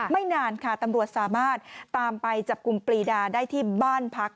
ไม่นานค่ะตำรวจสามารถตามไปจับกลุ่มปรีดาได้ที่บ้านพัก